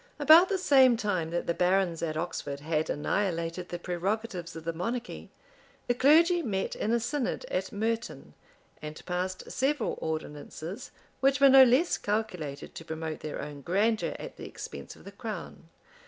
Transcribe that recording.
[*] About the same time that the barons at Oxford had annihilated the prerogatives of the monarchy, the clergy met in a synod at Merton, and passed several ordinances, which were no less calculated to promote their own grandeur at the expense of the crown.